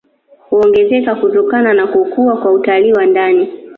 Huongezeka kutokana na kukua kwa utalii wa ndani